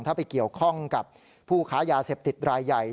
ถ้าไปเกี่ยวข้องกับผู้ค้ายาเสพติดรายใหญ่